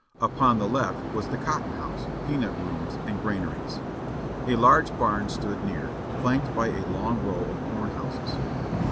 Upon the left was the cotton house, peanut rooms and granaries. A large barn stood near, flanked by a long row of corn houses.